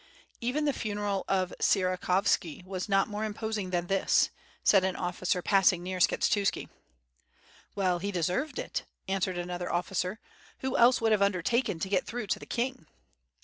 "Even the funeral of Sierakovski was not more imposing than this," said an officer passing near Skshetuski. "Well, he deserved it," answered another officer, "who else would have undertaken to get through to the king?"